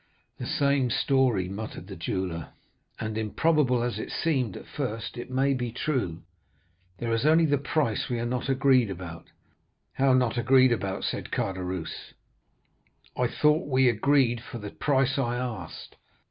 "'The same story,' muttered the jeweller; 'and improbable as it seemed at first, it may be true. There's only the price we are not agreed about.' "'How not agreed about?' said Caderousse. 'I thought we agreed for the price I asked.